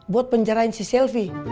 buat penjarain si selvi